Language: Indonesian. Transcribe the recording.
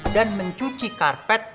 dan mencuci karpet